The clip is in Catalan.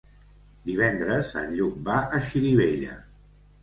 Divendres en Lluc va a Xirivella.